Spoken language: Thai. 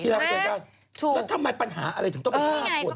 ใช่ไหมแล้วทำไมปัญหาอะไรถึงต้องเป็น๕คน